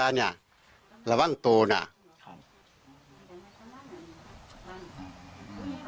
อันนี้เป็นคำกล่าวอ้างของทางฝั่งของพ่อตาที่เป็นผู้ต้องหานะ